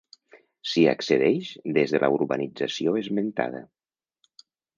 S'hi accedeix des de la urbanització esmentada.